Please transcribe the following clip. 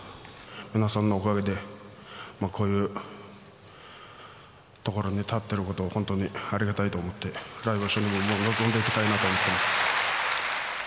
皆さんのおかげで、こういう所に立ってることを、本当にありがたいと思って、来場所に向けて臨んでいきたいと思っています。